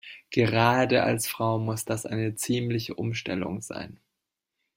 Gerade als Frau muss das eine ziemliche Umstellung sein.